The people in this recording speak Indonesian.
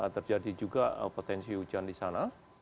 terjadi juga potensi hujan di sana